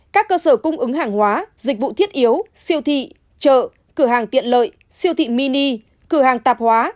các cơ sở cung ứng hàng hóa dịch vụ thiết yếu siêu thị chợ cửa hàng tiện lợi siêu thị mini cửa hàng tạp hóa